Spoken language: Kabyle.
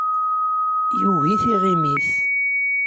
Yugi tiɣimit.